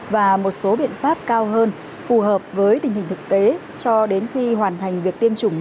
và một số biện pháp cao hơn phù hợp với tình hình thực tế cho đến khi hoàn thành việc tiêm chủng